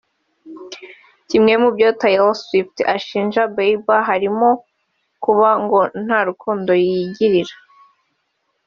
Kimwe mu byo Taylor Swift ashinja Bieber harimo kuba ngo nta rukundo yigirira